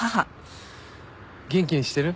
元気にしてる？